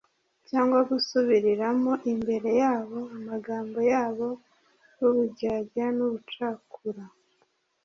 cyangwa gusubiriramo imbere yabo amagambo yabo y’uburyarya n’ubucakura.